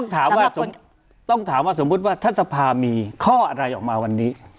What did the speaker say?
ต้องถามว่าสมมติว่าท่านสภามีข้ออะไรออกมาวันนี้